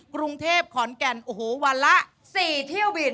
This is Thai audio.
กรุงเทพขอนแก่นโอ้โหวันละ๔เที่ยวบิน